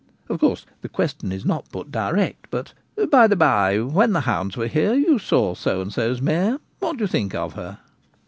Of course the question is not put direct, but 'By the by, when the hounds, were here you saw so and so's mare; what do you think of her